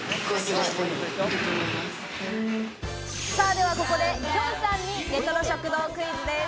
ではここで、きょんさんにレトロ食堂クイズです。